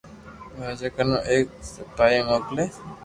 راجا ڪنو ايڪ سپايو موڪلي